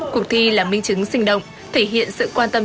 cuộc thi là minh chứng sinh động thể hiện sự quan tâm